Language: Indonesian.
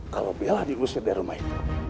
kalau bela diusir dari rumah itu